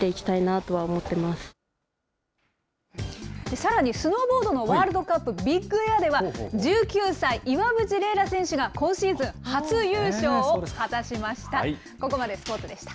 さらにスノーボードのワールドカップビッグエアでは、１９歳、岩渕麗楽選手が、今シーズン初優勝を果たしました。